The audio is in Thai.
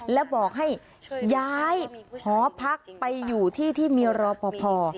และบอกให้ย้ายหอพักไปอยู่ที่ที่มีรอปภ